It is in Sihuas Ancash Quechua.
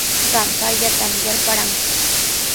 Qam payllatami yarparanki.